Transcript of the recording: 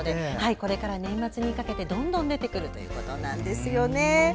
これから年末にかけてどんどん出てくるということなんです。